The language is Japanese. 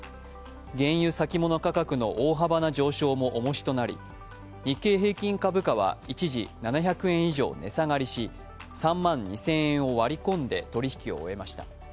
原油先物価格の大幅な上昇もおもしとなり、日経平均株価は一時、７００円以上値下がりし、３万２０００円を割り込んで取引を終えました。